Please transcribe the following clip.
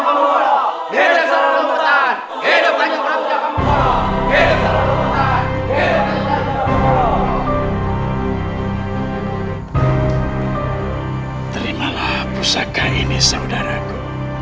aku tidak merasakan apa apa